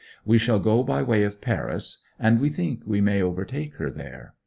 We shall go by way of Paris, and we think we may overtake her there.